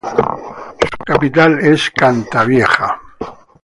Su capital es Cantavieja.